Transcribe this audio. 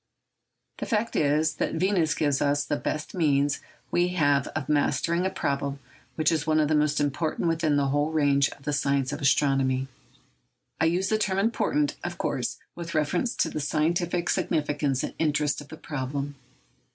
The fact is, that Venus gives us the best means we have of mastering a problem which is one of the most important within the whole range of the science of astronomy. I use the term important, of course, with reference to the scientific significance and interest of the problem.